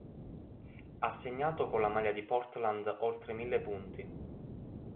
Ha segnato con la maglia di Portland oltre mille punti.